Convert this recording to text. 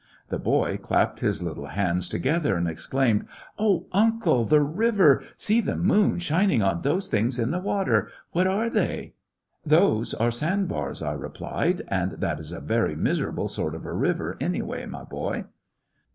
The boy clapped his little hands together and exclaimed : "Oh, uncle, the river ! See the moon shining on those things in the water. What are they t " 83 ^ecoCCections of a "Those are sand bars," I replied. "And that is a very miserable sort of a river, any way, my boy."